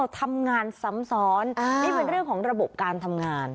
ทำงานซ้ำซ้อนนี่เป็นเรื่องของระบบการทำงาน